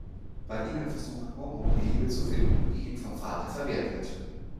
Bei ihnen versucht Momo die Liebe zu finden, die ihm vom Vater verwehrt wird.